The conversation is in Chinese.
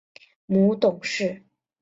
母董氏。